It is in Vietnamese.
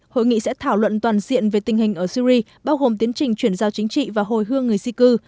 hội nghị sẽ thảo luận toàn diện về tình hình ở syri bao gồm tiến trình chuyển giao chính trị và hồi hương người di cư